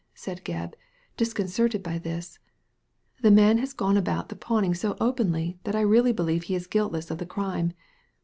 said Gebb, disconcerted by this, " the man has gone about the pawning so openly that I really believe he is guiltless of the crime.